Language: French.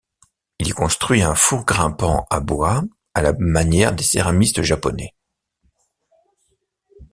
Il y construit un four grimpant à bois à la manière des céramistes japonais.